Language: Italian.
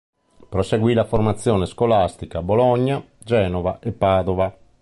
Proseguì la formazione scolastica a Bologna, Genova e Padova.